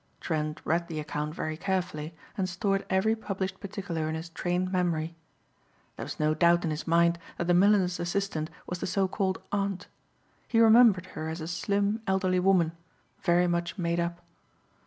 Trent read the account very carefully and stored every published particular in his trained memory. There was no doubt in his mind that the milliner's assistant was the so called aunt. He remembered her as a slim, elderly woman, very much made up.